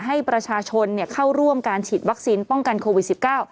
ให้ประชาชนเข้าร่วมการฉีดวัคซีนป้องกันโควิด๑๙